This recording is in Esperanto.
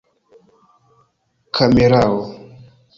kamerao